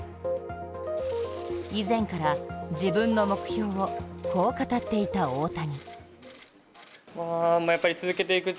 以前から自分の目標をこう語っていた大谷。